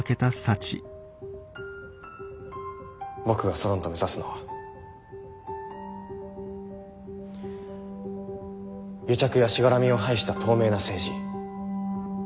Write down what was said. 僕がソロンと目指すのは癒着やしがらみを排した透明な政治。